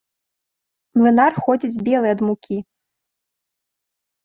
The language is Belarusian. Млынар ходзіць белы ад мукі.